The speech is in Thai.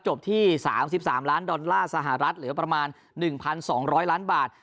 จบที่๓๓ล้านดอลลาร์สหรัฐเหลือประมาณ๑๒๐๐ล้านบาท